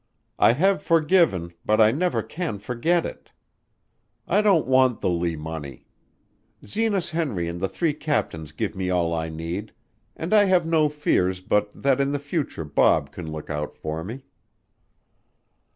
I have forgiven but I never can forget it. I don't want the Lee money. Zenas Henry and the three captains give me all I need, and I have no fears but that in the future Bob can look out for me."